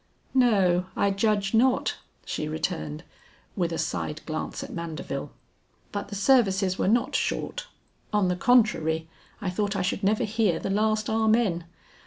"No, I judge not," she returned with a side glance at Mandeville. "But the services were not short, on the contrary I thought I should never hear the last amen.